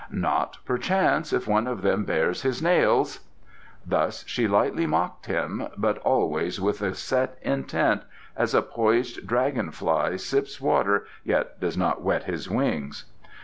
"Not, perchance, if one of them bares his nails?" Thus she lightly mocked him, but always with a set intent, as a poised dragon fly sips water yet does not wet his wings.